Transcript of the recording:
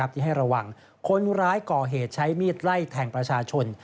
ที่ให้ระวังคนร้ายก่อเหตุใช้มีดไล่แทงประชาชน